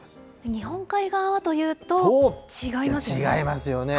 日本海側はというと、違いますよね。